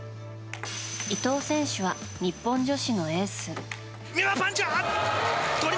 伊藤選手は、日本女子のエース。